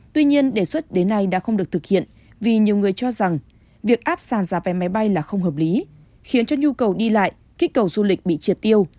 tuy nhiên đề xuất đến nay đã không được thực hiện vì nhiều người cho rằng việc áp sản giá vé máy bay là không hợp lý khiến cho nhu cầu đi lại kích cầu du lịch bị triệt tiêu